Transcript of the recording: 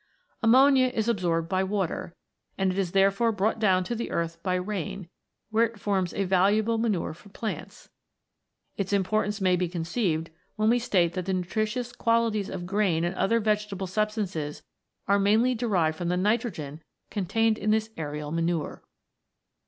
Ammonia is absorbed by water, and it is therefore brought down to the earth by rain, where it forms a valuable manure for plants ; its impor tance may be conceived when we state that the nutritious qualities of grain and other vegetable stibstances are mainly derived from the nitrogen contained in this aerial manure.